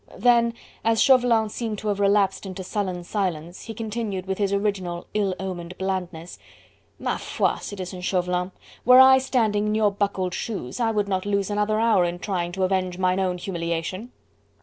Then as Chauvelin seemed to have relapsed into sullen silence, he continued with his original ill omened blandness: "Ma foi! Citizen Chauvelin, were I standing in your buckled shoes, I would not lose another hour in trying to avenge mine own humiliation!"